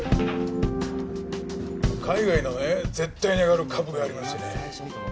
海外のね絶対に上がる株がありましてね。